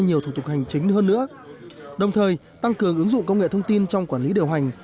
nhiều thủ tục hành chính hơn nữa đồng thời tăng cường ứng dụng công nghệ thông tin trong quản lý điều hành